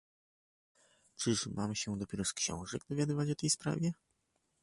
"Czyż mam się dopiero z książek dowiadywać o tej sprawie?"